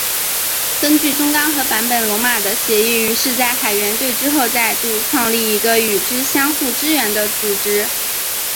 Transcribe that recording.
根据中冈和坂本龙马的协议于是在海援队之后再度创立一个与之相互支援的组织。